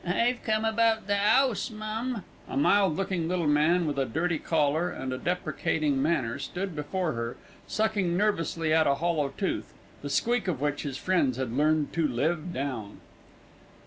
"I've come about the 'ouse, mum." A mild looking little man with a dirty collar and a deprecating manner stood before her, sucking nervously at a hollow tooth, the squeak of which his friends had learned to live down.